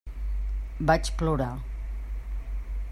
Vaig plorar.